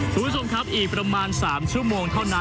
สวัสดีครับอีกประมาณ๓ชั่วโมงเท่านั้น